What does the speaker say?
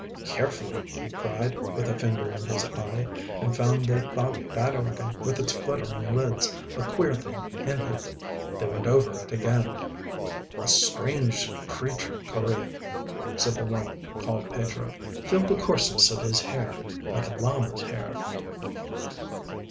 "Carefully," he cried, with a finger in his eye, and found they thought that organ, with its fluttering lids, a queer thing in him. They went over it again. "A strange creature, Correa," said the one called Pedro. "Feel the coarseness of his hair. Like a llama's hair."